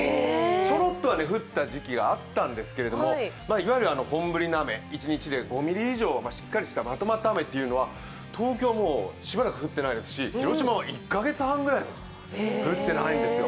ちょろっとは降った時期があったんですけど、いわゆる本降りの雨、一日で５ミリ以上、しっかりしたまとまった雨っていうのは東京はしばらく降ってないですし広島は１カ月半ぐらい降っていないんですよ。